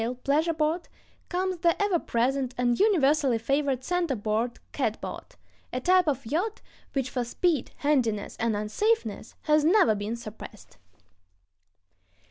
From the primitive sprit sail pleasure boat comes the ever present and universally favored center board catboat, a type of yacht which, for speed, handiness, and unsafeness, has never been surpassed.